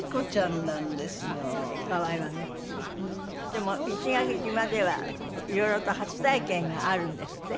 でも石垣島ではいろいろと初体験があるんですって？